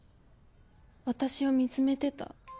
私を見つめてた